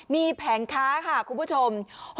มีแผงค้าค่ะคุณผู้ชม